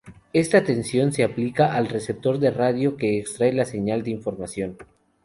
Esta tensión se aplica al receptor de radio, que extrae la señal de información.